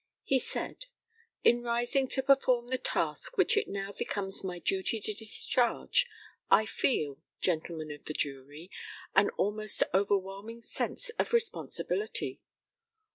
He said: In rising to perform the task which it now becomes my duty to discharge, I feel, gentlemen of the jury, an almost overwhelming sense of responsibility.